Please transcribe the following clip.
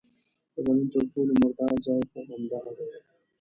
د بدن تر ټولو مردار ځای خو همدغه دی.